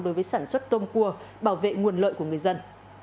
đối với sản xuất tôm cua bảo vệ nguồn lợi của người dân